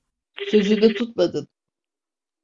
Sözünü tutmadın.